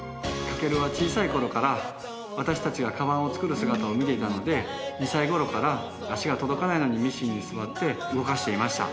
翔は小さい頃から私たちがカバンを作る姿を見ていたので２歳頃から足が届かないのにミシンに座って動かしていました。